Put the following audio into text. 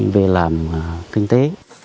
về làm kinh tế